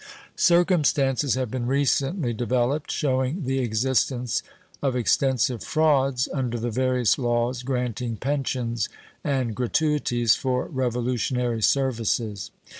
Circumstances have been recently developed showing the existence of extensive frauds under the various laws granting pensions and gratuities for Revolutionary services.